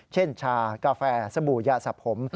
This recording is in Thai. เช่นชากาแฟสบู่ยะสับผม